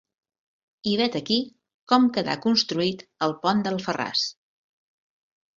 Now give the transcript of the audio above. I vet aquí, com quedà construït el pont d'Alfarràs.